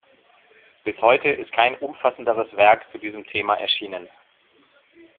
Bis heute ist kein umfassenderes Werk zu diesem Thema erschienen.